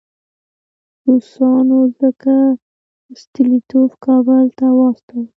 روسانو ځکه ستولیتوف کابل ته واستاوه.